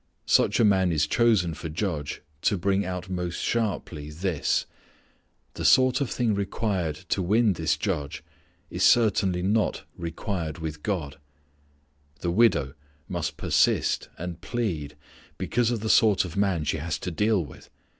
Such a man is chosen for judge to bring out most sharply this: the sort of thing required to win this judge is certainly not required with God. The widow must persist and plead because of the sort of man she has to deal with.